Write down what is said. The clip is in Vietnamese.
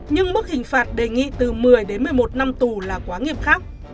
nhưng mức hình phạt đề nghị từ một mươi đến một mươi một năm tù là quá nghiêm khắc